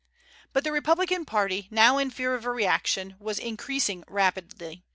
But the republican party, now in fear of a reaction, was increasing rapidly.